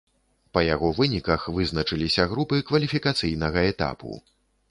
Па яго выніках вызначыліся групы кваліфікацыйнага этапу.